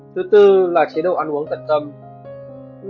thứ tư là chế độ ăn uống cận tâm